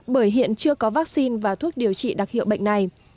bởi hiện chưa có vaccine và thuốc điều trị đặc hiệu bệnh này